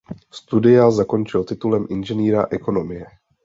Studia zakončil titulem inženýra ekonomie.